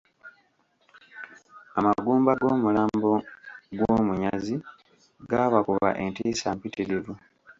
Amagumba g'omulambo gw'omunyazi gaabakuba entiisa mpitirivu.